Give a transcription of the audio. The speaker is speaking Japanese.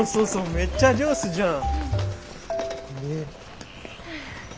めっちゃ上手じゃん。